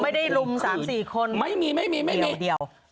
ไม่ได้ลุงสามสี่คนไม่มีไม่มีไม่มีเดี๋ยว